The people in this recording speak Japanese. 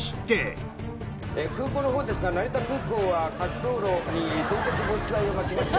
そして成田空港は滑走路に凍結防止剤をまきまして。